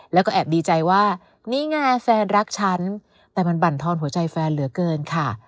แล้วก็แอบดีใจว่านี่ไงแฟนรักฉันแต่มันบั่นทอนหัวใจแฟนเหลือเกินค่ะ